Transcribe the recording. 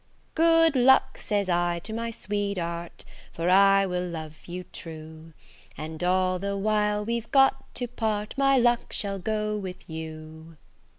"Good luck!" says I to my sweetheart, "For I will love you true; And all the while we've got to part, My luck shall go with you."